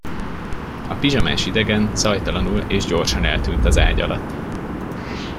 A pizsamás idegen zajtalanul és gyorsan eltűnt az ágy alatt.